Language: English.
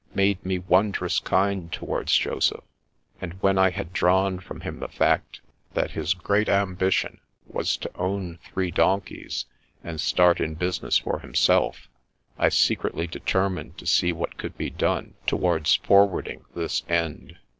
made me wondrous kind towards Joseph ; and when I had drawn from him the fact that his great ambition was to own three donkeys, and start in business for himself, I secretly determined to see what could be done towards forwarding this end.